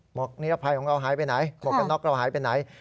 นิรภัยของเราหายไปไหนหมวกกันน็อกเราหายไปไหน